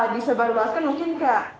disebar baruaskan mungkin kayak